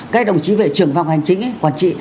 các đồng chí về trường vòng hành chính quản trị